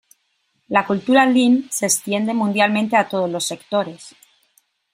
La cultura Lean se extiende mundialmente a todos los sectores.